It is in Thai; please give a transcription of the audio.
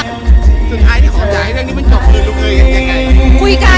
เรียกว่า